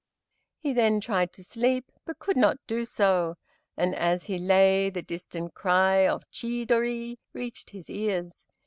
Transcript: He then tried to sleep, but could not do so, and as he lay the distant cry of Chidori reached his ears.